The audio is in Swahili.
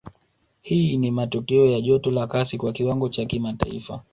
Hii ni matokeo ya joto la kasi kwa kiwango cha kimataifa